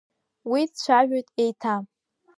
Уи дцәажәоит еиҭа.